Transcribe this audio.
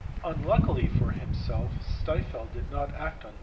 Unluckily for himself Stifel did not act on this advice.